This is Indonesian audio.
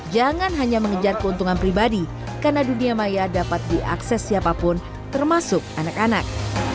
jangan hanya mengejar keuntungan pribadi karena dunia maya dapat diakses siapapun termasuk anak anak